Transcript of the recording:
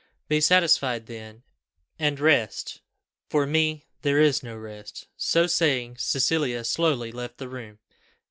"Be satisfied then, and rest for me there is no rest;" so saying Cecilia slowly left the room.